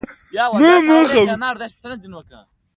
نجلۍ لاسونه او بدن خوځول پيل کړل.